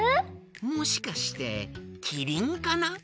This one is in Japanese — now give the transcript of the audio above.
もしかしてキリンかな？